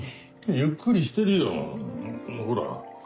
ゆっくりしてるよほら。